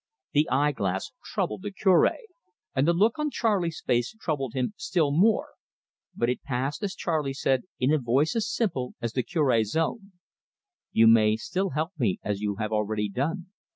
The eye glass troubled the Cure, and the look on Charley's face troubled him still more, but it passed as Charley said, in a voice as simple as the Cure's own: "You may still help me as you have already done.